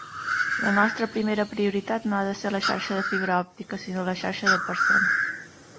La nostra primera prioritat no ha de ser la xarxa de fibra òptica, sinó la xarxa de persones.